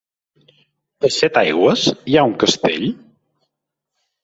A Setaigües hi ha un castell?